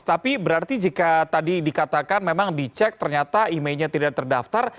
tapi berarti jika tadi dikatakan memang dicek ternyata emailnya tidak terdaftar